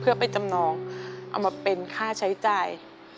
เพื่อไปจำนองเอามาเป็นค่าใช้จ่าย